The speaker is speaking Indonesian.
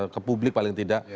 ke publik paling tidak